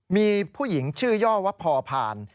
มีผู้หญิงชื่อย่อวพอพาน